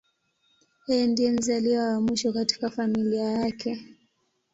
Yeye ndiye mzaliwa wa mwisho katika familia yake.